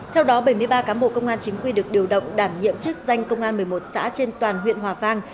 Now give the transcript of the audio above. theo đó bảy mươi ba cán bộ công an chính quy được điều động đảm nhiệm chức danh công an một mươi một xã trên toàn huyện hòa vang